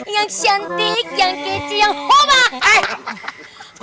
yang cantik yang kecil yang hoba